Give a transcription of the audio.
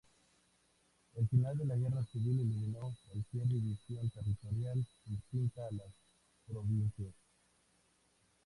El final de la Guerra Civil eliminó cualquier división territorial distinta a las provincias.